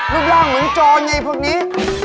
รูปร่างเหมือนโจรไอ้พวกนี้